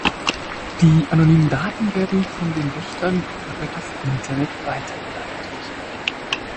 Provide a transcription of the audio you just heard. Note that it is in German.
Die anonymen Daten werden von den Wächtern über das Internet weitergeleitet.